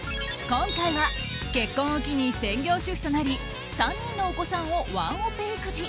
今回は結婚を機に専業主婦となり３人のお子さんをワンオペ育児。